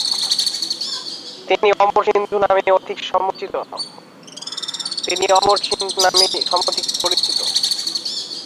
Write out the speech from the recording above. তিনি অমর সিন্ধু নামেই সমধিক পরিচিত।